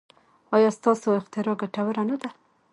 ایا ستاسو اختراع ګټوره نه ده؟